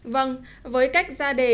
vâng với cách ra đề